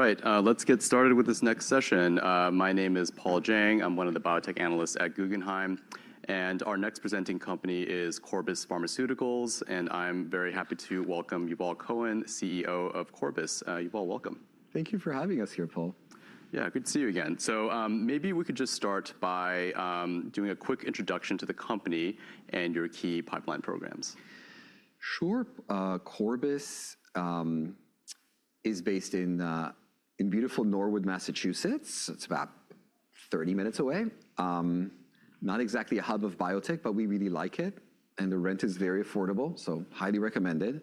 Right, let's get started with this next session. My name is Paul Jeng. I'm one of the biotech analysts at Guggenheim. And our next presenting company is Corbus Pharmaceuticals. And I'm very happy to welcome Yuval Cohen, CEO of Corbus. Yuval, welcome. Thank you for having us here, Paul. Yeah, good to see you again. So maybe we could just start by doing a quick introduction to the company and your key pipeline programs. Sure. Corbus is based in beautiful Norwood, Massachusetts. It's about 30 minutes away. Not exactly a hub of biotech, but we really like it and the rent is very affordable, so highly recommended.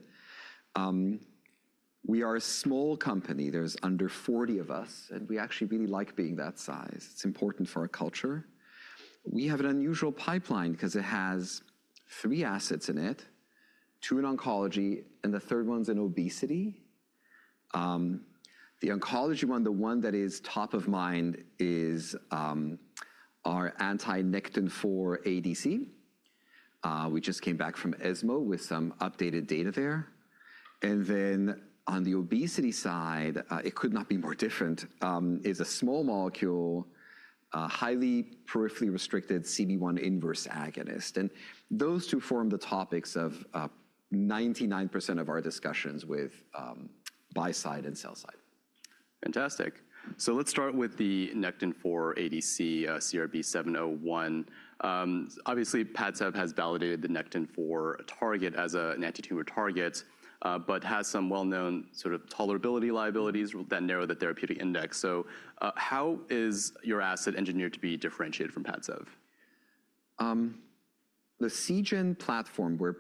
We are a small company. There's under 40 of us and we actually really like being that size. It's important for our culture. We have an unusual pipeline because it has three assets in it: two in oncology, and the third one's in obesity. The oncology one, the one that is top of mind, is our anti-Nectin-4 ADC. We just came back from ESMO with some updated data there and then on the obesity side, it could not be more different, is a small molecule, highly peripherally restricted CB1 inverse agonist and those two form the topics of 99% of our discussions with buy-side and sell-side. Fantastic. So let's start with the Nectin-4 ADC, CRB-701. Obviously, Padcev has validated the Nectin-4 target as an antitumor target, but has some well-known tolerability liabilities that narrow the therapeutic index. So how is your asset engineered to be differentiated from Padcev? The Seagen platform where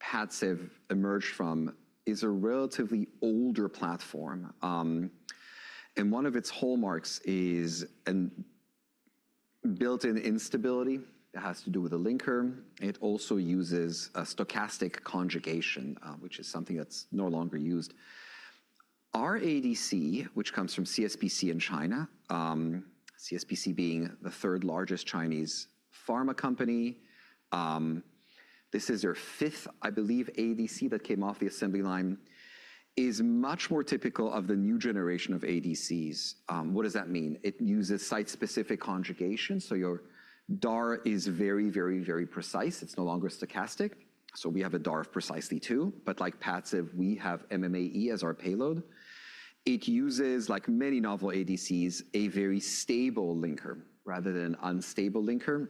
Padcev emerged from is a relatively older platform. And one of its hallmarks is built-in instability. It has to do with a linker. It also uses a stochastic conjugation, which is something that's no longer used. Our ADC, which comes from CSPC in China, CSPC being the third largest Chinese pharma company, this is their fifth, I believe, ADC that came off the assembly line, is much more typical of the new generation of ADCs. What does that mean? It uses site-specific conjugation. So your DAR is very, very, very precise. It's no longer stochastic. So we have a DAR of precisely two. But like Padcev, we have MMAE as our payload. It uses, like many novel ADCs, a very stable linker rather than an unstable linker.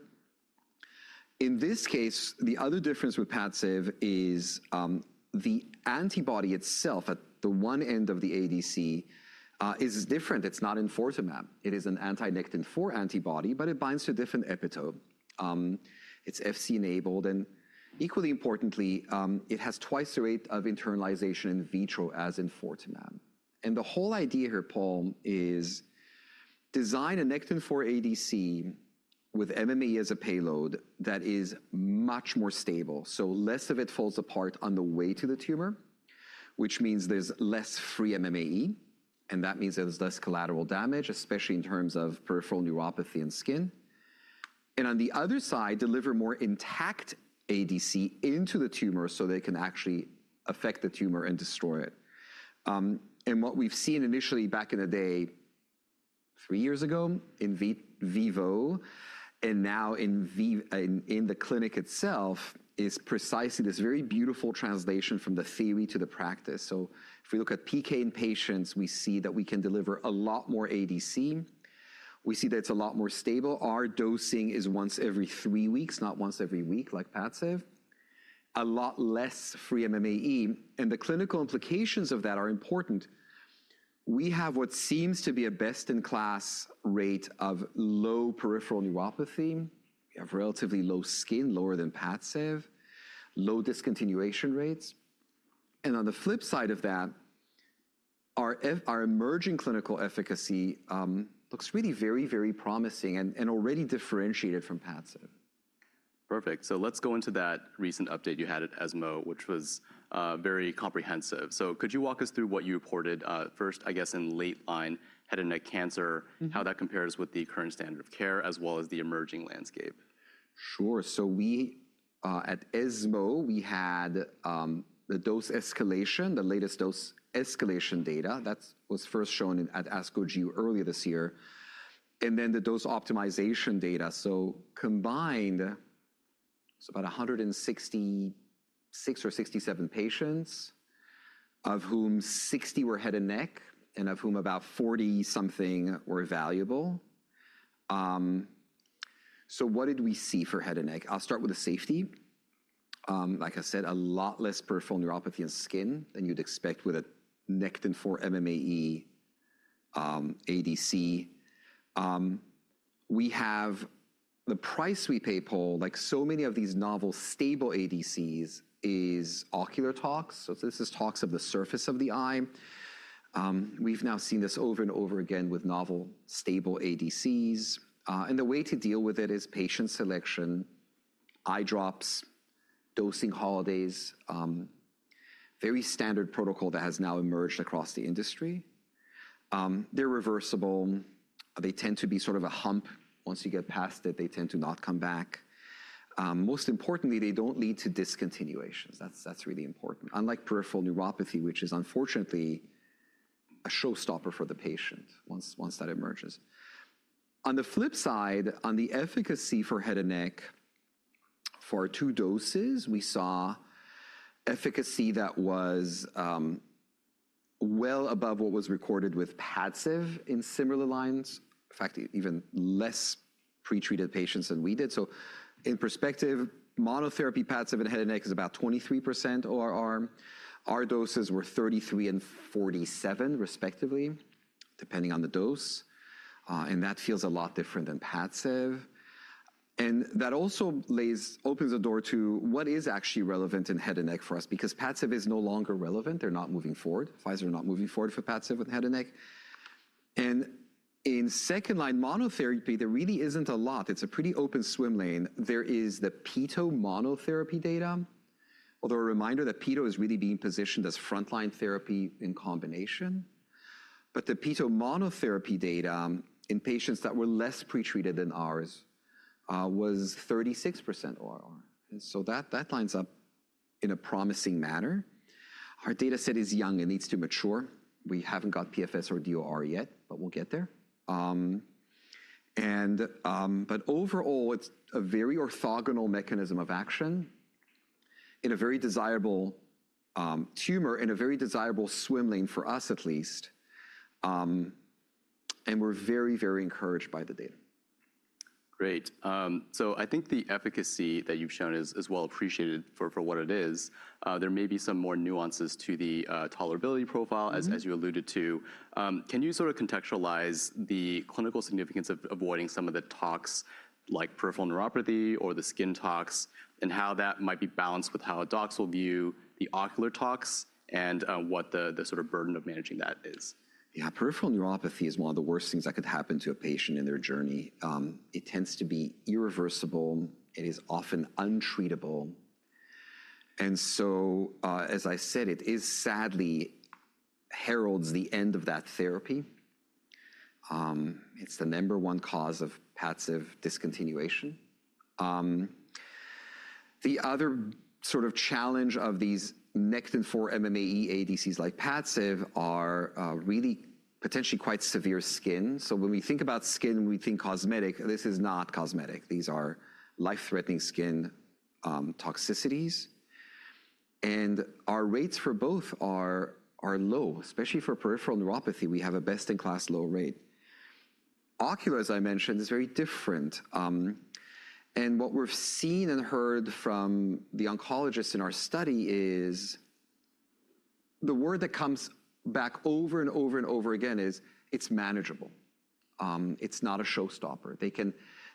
In this case, the other difference with Padcev is the antibody itself at the one end of the ADC is different. It's not enfortumab. It is an anti-Nectin-4 antibody, but it binds to a different epitope. It's Fc-enabled. And equally importantly, it has twice the rate of internalization in vitro as enfortumab. And the whole idea here, Paul, is design a Nectin-4 ADC with MMAE as a payload that is much more stable. So less of it falls apart on the way to the tumor, which means there's less free MMAE. And that means there's less collateral damage, especially in terms of peripheral neuropathy and skin. And on the other side, deliver more intact ADC into the tumor so they can actually affect the tumor and destroy it. And what we've seen initially back in the day, three years ago in vivo, and now in the clinic itself, is precisely this very beautiful translation from the theory to the practice. So if we look at PK in patients, we see that we can deliver a lot more ADC. We see that it's a lot more stable. Our dosing is once every three weeks, not once every week like Padcev. A lot less free MMAE. And the clinical implications of that are important. We have what seems to be a best-in-class rate of low peripheral neuropathy. We have relatively low skin, lower than Padcev, low discontinuation rates. And on the flip side of that, our emerging clinical efficacy looks really very, very promising and already differentiated from Padcev. Perfect. So let's go into that recent update you had at ESMO, which was very comprehensive. So could you walk us through what you reported? First, I guess in late line, head and neck cancer, how that compares with the current standard of care, as well as the emerging landscape. Sure, so at ESMO, we had the dose escalation, the latest dose escalation data that was first shown at ASCO GU earlier this year, and then the dose optimization data, so combined, it's about 166 or 167 patients, of whom 60 were head and neck, and of whom about 40-something were evaluable. So what did we see for head and neck? I'll start with the safety. Like I said, a lot less peripheral neuropathy and skin than you'd expect with a Nectin-4 MMAE ADC. The price we pay, Paul, like so many of these novel stable ADCs, is ocular tox. So this is tox of the surface of the eye. We've now seen this over and over again with novel stable ADCs, and the way to deal with it is patient selection, eye drops, dosing holidays, very standard protocol that has now emerged across the industry. They're reversible. They tend to be sort of a hump. Once you get past it, they tend to not come back. Most importantly, they don't lead to discontinuations. That's really important. Unlike peripheral neuropathy, which is unfortunately a showstopper for the patient once that emerges. On the flip side, on the efficacy for head and neck, for two doses, we saw efficacy that was well above what was recorded with Padcev in similar lines, in fact, even less pretreated patients than we did. In perspective, monotherapy Padcev in head and neck is about 23% ORR. Our doses were 33% and 47%, respectively, depending on the dose. That feels a lot different than Padcev. That also opens the door to what is actually relevant in head and neck for us, because Padcev is no longer relevant. They're not moving forward. Pfizer is not moving forward for Padcev and head and neck, and in second-line monotherapy, there really isn't a lot. It's a pretty open swim lane. There is the peto monotherapy data, although a reminder that peto is really being positioned as front-line therapy in combination, but the peto monotherapy data in patients that were less pretreated than ours was 36% ORR, so that lines up in a promising manner. Our data set is young. It needs to mature. We haven't got PFS or DOR yet, but we'll get there, but overall, it's a very orthogonal mechanism of action in a very desirable tumor, in a very desirable swim lane for us, at least, and we're very, very encouraged by the data. Great. So I think the efficacy that you've shown is well appreciated for what it is. There may be some more nuances to the tolerability profile, as you alluded to. Can you sort of contextualize the clinical significance of avoiding some of the tox, like peripheral neuropathy or the skin tox, and how that might be balanced with how a docs will view the ocular tox and what the sort of burden of managing that is? Yeah, peripheral neuropathy is one of the worst things that could happen to a patient in their journey. It tends to be irreversible. It is often untreatable. And so, as I said, it sadly heralds the end of that therapy. It's the number one cause of Padcev discontinuation. The other sort of challenge of these Nectin-4 MMAE ADCs like Padcev are really potentially quite severe skin. So when we think about skin, we think cosmetic. This is not cosmetic. These are life-threatening skin toxicities. And our rates for both are low, especially for peripheral neuropathy. We have a best-in-class low rate. Ocular, as I mentioned, is very different. And what we've seen and heard from the oncologists in our study is the word that comes back over and over and over again is it's manageable. It's not a showstopper.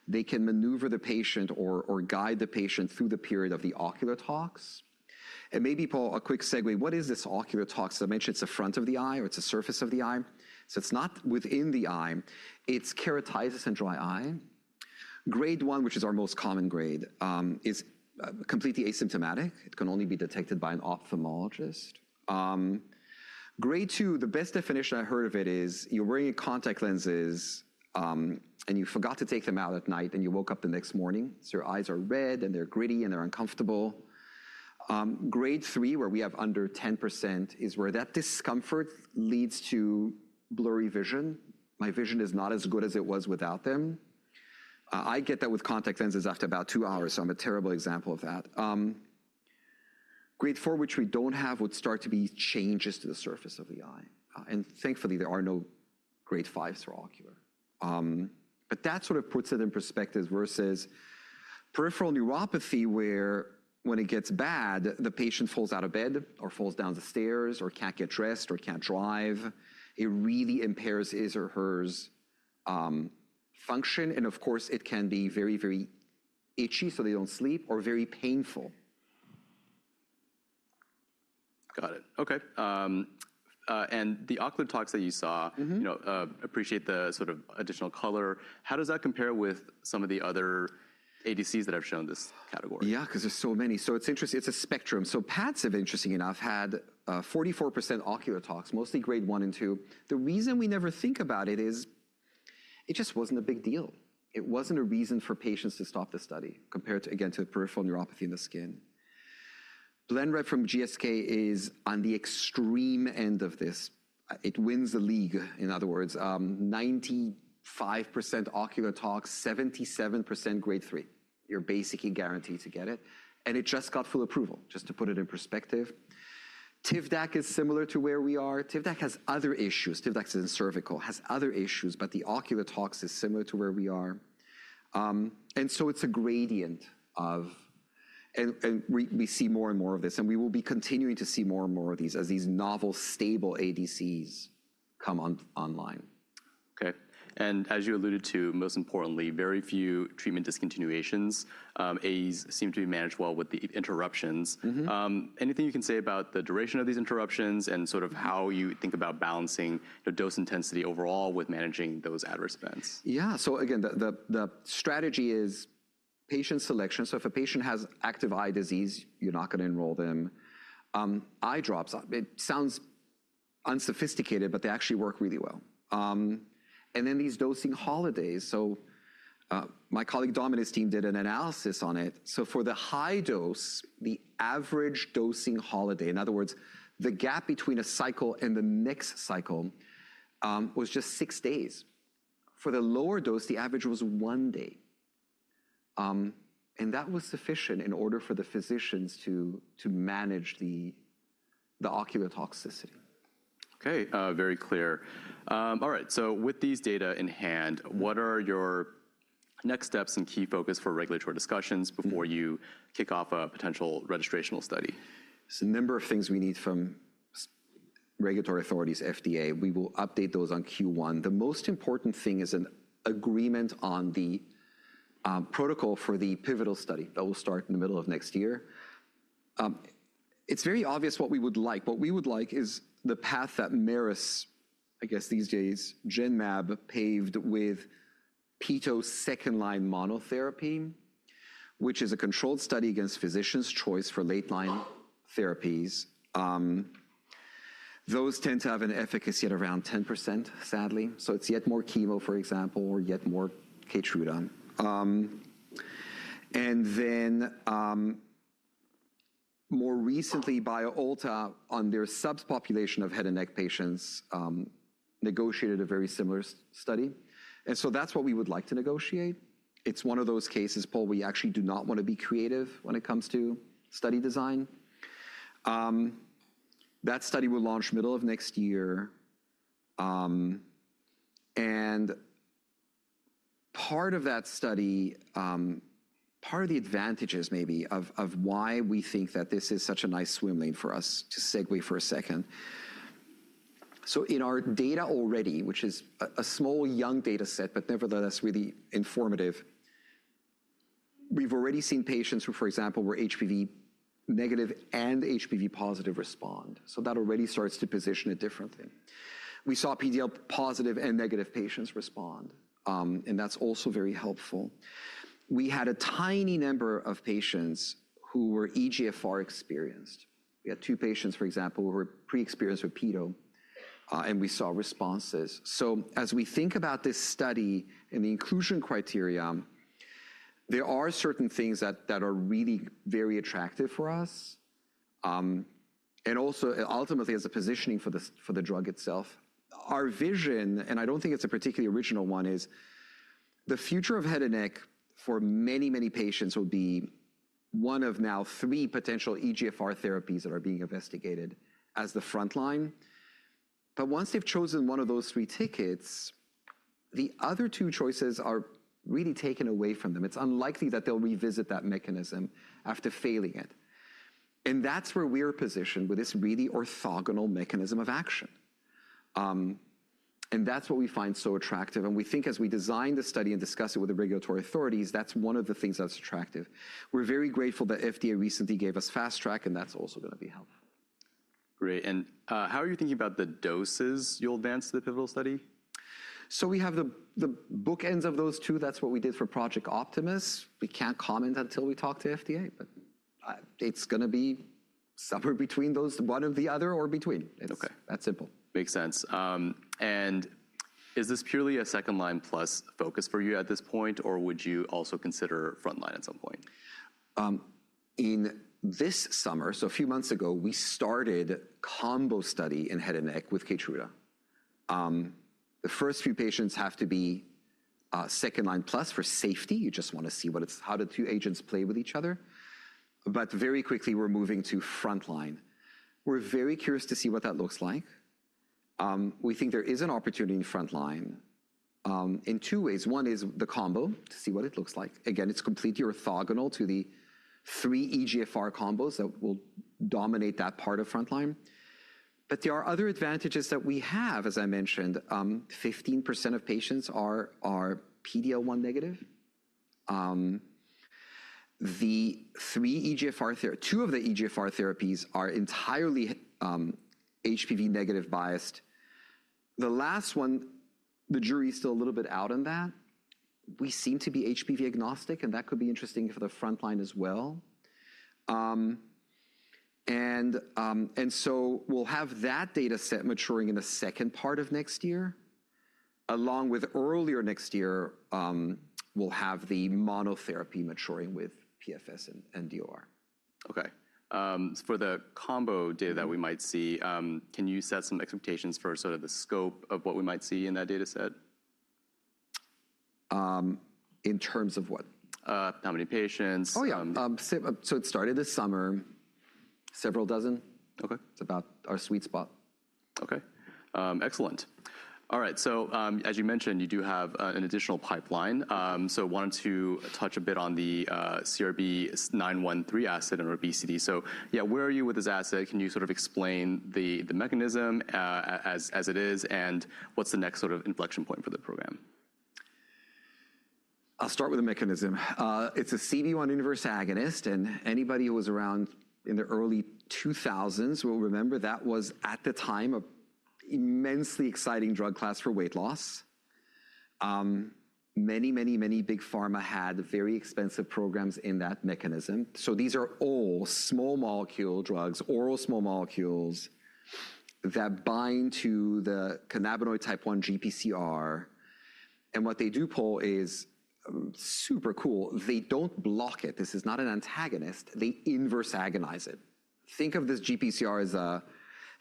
They can maneuver the patient or guide the patient through the period of the ocular tox, and maybe, Paul, a quick segue. What is this ocular tox? I mentioned it's the front of the eye or it's the surface of the eye, so it's not within the eye. It's keratitis and dry eye. Grade 1, which is our most common grade, is completely asymptomatic. It can only be detected by an ophthalmologist. Grade 2, the best definition I heard of it is you're wearing contact lenses, and you forgot to take them out at night, and you woke up the next morning, so your eyes are red, and they're gritty, and they're uncomfortable. Grade 3, where we have under 10%, is where that discomfort leads to blurry vision. My vision is not as good as it was without them. I get that with contact lenses after about two hours. I'm a terrible example of that. Grade 4, which we don't have, would start to be changes to the surface of the eye. Thankfully, there are no Grade 5 is for ocular. That sort of puts it in perspective versus peripheral neuropathy, where when it gets bad, the patient falls out of bed or falls down the stairs or can't get dressed or can't drive. It really impairs his or her function. Of course, it can be very, very itchy, so they don't sleep, or very painful. Got it. OK. And the ocular tox that you saw. Appreciate the sort of additional color. How does that compare with some of the other ADCs that have shown this category? Yeah, because there's so many. So it's interesting. It's a spectrum. So Padcev, interestingly enough, had 44% ocular tox, mostly Grade 1 and 2. The reason we never think about it is it just wasn't a big deal. It wasn't a reason for patients to stop the study compared to, again, to peripheral neuropathy in the skin. Blenrep from GSK is on the extreme end of this. It wins the league, in other words. 95% ocular tox, 77% grade 3. You're basically guaranteed to get it. And it just got full approval, just to put it in perspective. Tivdak is similar to where we are. Tivdak is in cervical, has other issues. But the ocular tox is similar to where we are. And so it's a gradient of, and we see more and more of this. We will be continuing to see more and more of these as these novel stable ADCs come online. OK. And as you alluded to, most importantly, very few treatment discontinuations. AEs seem to be managed well with the interruptions. Anything you can say about the duration of these interruptions and sort of how you think about balancing the dose intensity overall with managing those adverse events? Yeah. The strategy is patient selection again. So if a patient has active eye disease, you're not going to enroll them. Eye drops, it sounds unsophisticated, but they actually work really well. And then these dosing holidays, so my colleague Dominic's team did an analysis on it. For the high dose, the average dosing holiday, in other words, the gap between a cycle and the next cycle was just six days. For the lower dose, the average was one day. And that was sufficient in order for the physicians to manage the ocular toxicity. OK, very clear. All right, so with these data in hand, what are your next steps and key focus for regulatory discussions before you kick off a potential registrational study? There's a number of things we need from regulatory authorities, FDA. We will update those on Q1. The most important thing is an agreement on the protocol for the pivotal study that will start in the middle of next year. It's very obvious what we would like. What we would like is the path that Merus, I guess these days, Genmab paved with petosemtamab second-line monotherapy, which is a controlled study against physicians' choice for late-line therapies. Those tend to have an efficacy at around 10%, sadly. So it's yet more chemo, for example, or yet more Keytruda. And then more recently, BioAtla on their subpopulation of head and neck patients negotiated a very similar study. And so that's what we would like to negotiate. It's one of those cases, Paul, we actually do not want to be creative when it comes to study design. That study will launch middle of next year, and part of that study, part of the advantages maybe of why we think that this is such a nice swim lane for us, to segue for a second, so in our data already, which is a small, young data set, but nevertheless really informative, we've already seen patients who, for example, were HPV negative and HPV positive respond, so that already starts to position it differently. We saw PD-L1 positive and negative patients respond, and that's also very helpful. We had a tiny number of patients who were EGFR experienced. We had two patients, for example, who were pre-experienced with peto, and we saw responses, so as we think about this study and the inclusion criteria, there are certain things that are really very attractive for us. And also, ultimately, as a positioning for the drug itself, our vision, and I don't think it's a particularly original one, is the future of head and neck for many, many patients will be one of now three potential EGFR therapies that are being investigated as the front line. But once they've chosen one of those three tickets, the other two choices are really taken away from them. It's unlikely that they'll revisit that mechanism after failing it. And that's where we're positioned with this really orthogonal mechanism of action. And that's what we find so attractive. And we think as we design the study and discuss it with the regulatory authorities, that's one of the things that's attractive. We're very grateful that FDA recently gave us fast track, and that's also going to be helpful. Great. And how are you thinking about the doses you'll advance to the pivotal study? So we have the bookends of those two. That's what we did for Project Optimus. We can't comment until we talk to FDA. But it's going to be somewhere between those, one or the other or between. That's simple. Makes sense. Is this purely a second-line plus focus for you at this point, or would you also consider front line at some point? In this summer, so a few months ago, we started combo study in head and neck with Keytruda. The first few patients have to be second-line plus for safety. You just want to see how the two agents play with each other. But very quickly, we're moving to front line. We're very curious to see what that looks like. We think there is an opportunity in front line in two ways. One is the combo to see what it looks like. Again, it's completely orthogonal to the three EGFR combos that will dominate that part of front line. But there are other advantages that we have, as I mentioned. 15% of patients are PD-L1 negative. The three EGFR, two of the EGFR therapies are entirely HPV negative biased. The last one, the jury is still a little bit out on that. We seem to be HPV agnostic, and that could be interesting for the front line as well. And so we'll have that data set maturing in the second part of next year. Along with earlier next year, we'll have the monotherapy maturing with PFS and DOR. OK. For the combo data that we might see, can you set some expectations for sort of the scope of what we might see in that data set? In terms of what? How many patients? Oh, yeah. It started this summer, several dozen. It's about our sweet spot. Okay, excellent. All right, so as you mentioned, you do have an additional pipeline. So I wanted to touch a bit on the CRB-913 asset and obesity. So yeah, where are you with this asset? Can you sort of explain the mechanism as it is and what's the next sort of inflection point for the program? I'll start with the mechanism. It's a CB1 inverse agonist. And anybody who was around in the early 2000s will remember that was at the time an immensely exciting drug class for weight loss. Many, many, many big pharma had very expensive programs in that mechanism. So these are all small molecule drugs, oral small molecules that bind to the cannabinoid type-1 GPCR. And what they do, Paul, is super cool. They don't block it. This is not an antagonist. They inverse agonize it. Think of this GPCR as a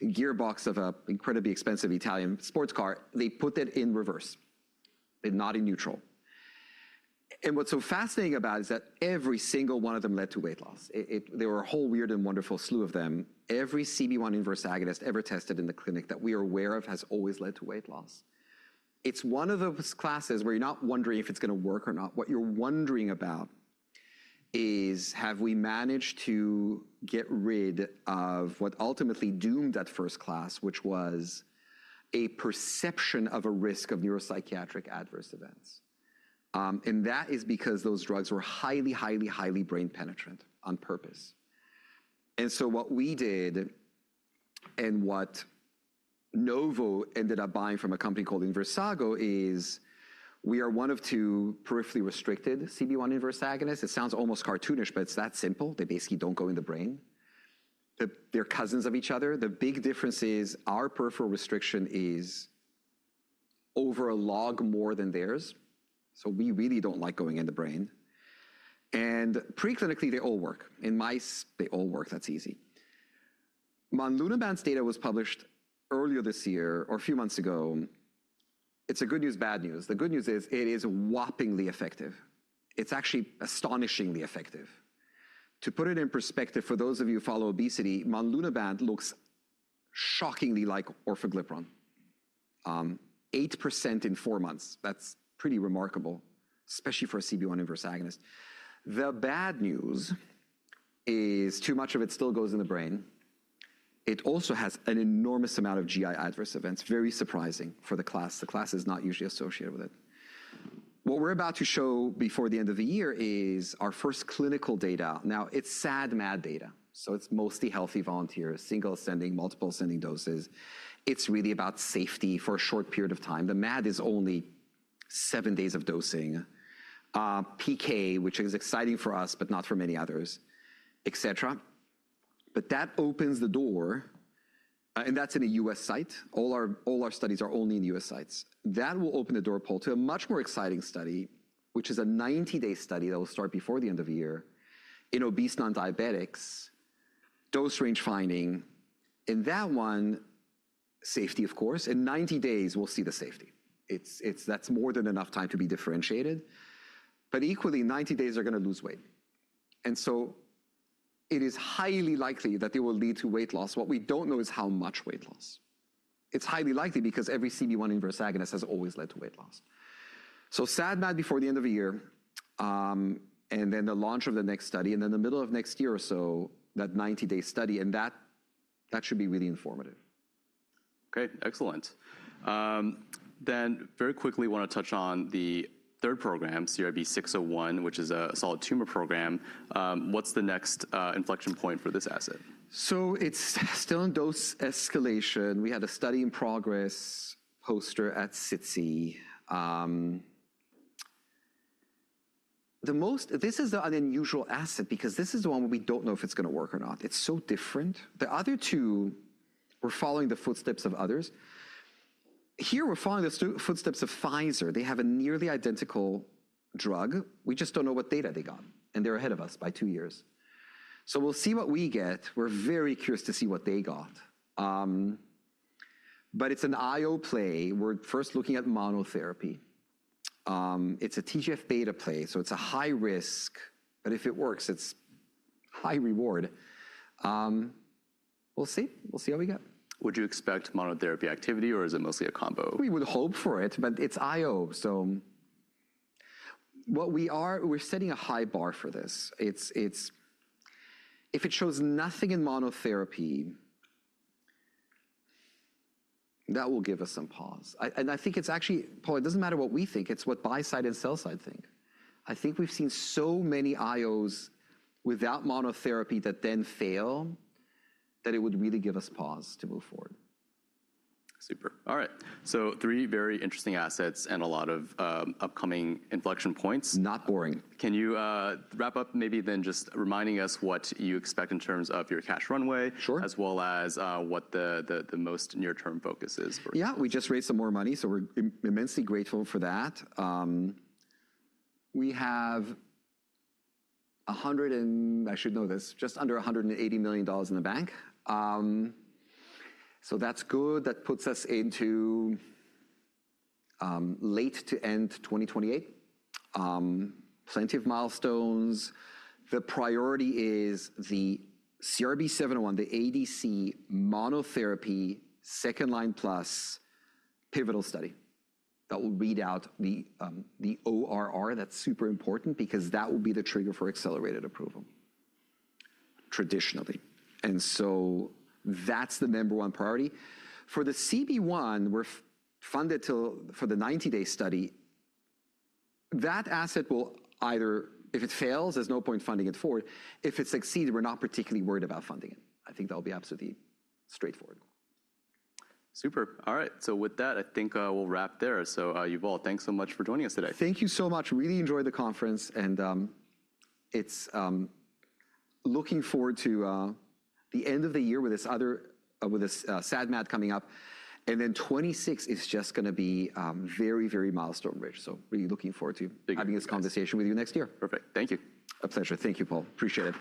gearbox of an incredibly expensive Italian sports car. They put it in reverse, but not in neutral. And what's so fascinating about it is that every single one of them led to weight loss. There were a whole weird and wonderful slew of them. Every CB1 inverse agonist ever tested in the clinic that we are aware of has always led to weight loss. It's one of those classes where you're not wondering if it's going to work or not. What you're wondering about is, have we managed to get rid of what ultimately doomed that first class, which was a perception of a risk of neuropsychiatric adverse events, and that is because those drugs were highly, highly, highly brain penetrant on purpose, and so what we did and what Novo ended up buying from a company called Inversago is we are one of two peripherally restricted CB1 inverse agonists. It sounds almost cartoonish, but it's that simple. They basically don't go in the brain. They're cousins of each other. The big difference is our peripheral restriction is over a log more than theirs. So we really don't like going in the brain. Preclinically, they all work. In mice, they all work. That's easy. Monlunabant's data was published earlier this year or a few months ago. It's good news, bad news. The good news is it is whoppingly effective. It's actually astonishingly effective. To put it in perspective, for those of you who follow obesity, monlunabant looks shockingly like orforglipron. 8% in four months. That's pretty remarkable, especially for a CB1 inverse agonist. The bad news is too much of it still goes in the brain. It also has an enormous amount of GI adverse events. Very surprising for the class. The class is not usually associated with it. What we're about to show before the end of the year is our first clinical data. Now, it's SAD/MAD data. So it's mostly healthy volunteers, single ascending, multiple ascending doses. It's really about safety for a short period of time. The MAD is only seven days of dosing. PK, which is exciting for us, but not for many others, et cetera. But that opens the door, and that's in a U.S. site. All our studies are only in U.S. sites. That will open the door, Paul, to a much more exciting study, which is a 90-day study that will start before the end of the year in obese non-diabetics, dose range finding. In that one, safety, of course. In 90 days, we'll see the safety. That's more than enough time to be differentiated. But equally, 90 days are going to lose weight. And so it is highly likely that they will lead to weight loss. What we don't know is how much weight loss. It's highly likely because every CB1 inverse agonist has always led to weight loss. So SAD/MAD before the end of the year. And then the launch of the next study. And then the middle of next year or so, that 90-day study. And that should be really informative. OK, excellent. Then very quickly, I want to touch on the third program, CRB-601, which is a solid tumor program. What's the next inflection point for this asset? So it's still in dose escalation. We had a study in progress poster at SITC. This is an unusual asset because this is the one where we don't know if it's going to work or not. It's so different. The other two, we're following the footsteps of others. Here, we're following the footsteps of Pfizer. They have a nearly identical drug. We just don't know what data they got. And they're ahead of us by two years. So we'll see what we get. We're very curious to see what they got. But it's an IO play. We're first looking at monotherapy. It's a TGF-beta play. So it's a high risk. But if it works, it's high reward. We'll see. We'll see how we get. Would you expect monotherapy activity, or is it mostly a combo? We would hope for it, but it's IO. We're setting a high bar for this. If it shows nothing in monotherapy, that will give us some pause, and I think it's actually, Paul, it doesn't matter what we think. It's what buy side and sell side think. I think we've seen so many IOs without monotherapy that then fail that it would really give us some pause to move forward. Super. All right, so three very interesting assets and a lot of upcoming inflection points. Not boring. Can you wrap up maybe then just reminding us what you expect in terms of your cash runway, as well as what the most near-term focus is for? Yeah, we just raised some more money. So we're immensely grateful for that. We have a hundred and I should know this, just under $180 million in the bank. So that's good. That puts us into late to end 2028. Plenty of milestones. The priority is the CRB-701, the ADC monotherapy second-line plus pivotal study that will read out the ORR. That's super important because that will be the trigger for accelerated approval traditionally. And so that's the number one priority. For the CB1, we're funded for the 90-day study. That asset will either, if it fails, there's no point funding it forward. If it succeeds, we're not particularly worried about funding it. I think that'll be absolutely straightforward. Super. All right, so with that, I think we'll wrap there. So, you've all, thanks so much for joining us today. Thank you so much. Really enjoyed the conference. And it's looking forward to the end of the year with this SAD/MAD coming up. And then 2026 is just going to be very, very milestone rich. So really looking forward to having this conversation with you next year. Perfect. Thank you. A pleasure. Thank you, Paul. Appreciate it.